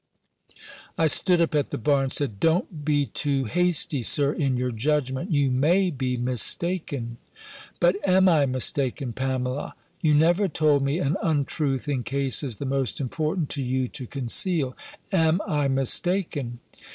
I stood up at the bar, and said, "Don't be too hasty, Sir, in your judgment You may be mistaken." "But am I mistaken, Pamela? You never told me an untruth in cases the most important to you to conceal. Am I mistaken?"